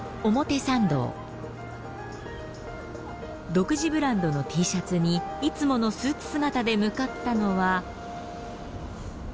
独自ブランドのＴシャツにいつものスーツ姿で向かったのは。